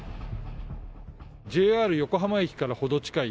ＪＲ横浜駅から程近い